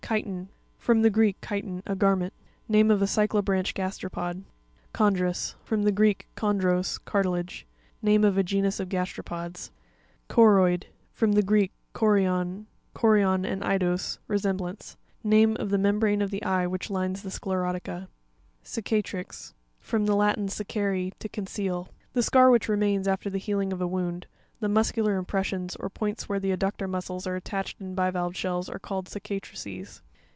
Cui'ton (ky' ton).—From the Greek, chiton, a garment. Name of a cy clobranch gasteropod (page 62). Cuon'prus_ (kon'drus)—From the Greek, chondros, cartilage. Name of a genus of gasteropods (page ys Cuo'Roip (ko royed).—F rom the Greek, 104 CONCHOLOGY.—GLOSSARY. chorion, chorion, and eidos, re semblance. Name of the mem brane of the eye which lines the sclerotica. Crca'tr1x.—From the Latin, cecare, to conceal. The scar which re mains after the healing of a wound. The "muscular impressions" or points where the adductor muscles are attached in bivalve shells are called cicatrices.